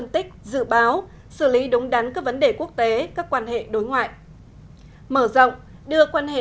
tích dự báo xử lý đúng đắn các vấn đề quốc tế các quan hệ đối ngoại mở rộng đưa quan hệ